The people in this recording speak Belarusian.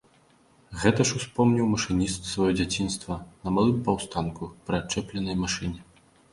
Гэта ж успомніў машыніст сваё дзяцінства, на малым паўстанку, пры адчэпленай машыне.